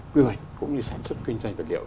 quy hoạch cũng như sản xuất kinh doanh vật liệu